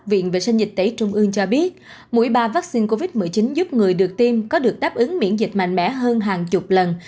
viện vệ sinh dịch tễ trung ương cho biết mỗi ba vaccine covid một mươi chín giúp người được tiêm có được đáp ứng miễn dịch mạnh mẽ hơn hàng chục lần